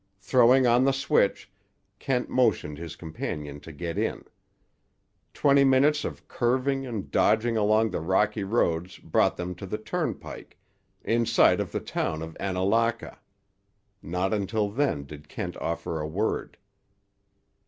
Throwing on the switch, Kent motioned his companion to get in. Twenty minutes of curving and dodging along the rocky roads brought them to the turnpike, in sight of the town of Annalaka. Not until then did Kent offer a word.